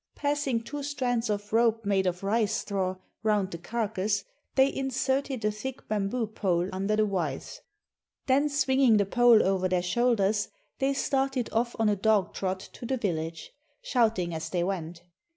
Passing two strands of rope made of rice straw around the carcass, they inserted a thick bamboo pole under the withes. Then swinging the pole over their shoulders, they started off on a dog trot to the village, shouting as they went.